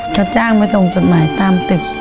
เขาจ้างมาจงจดหมายตามตึก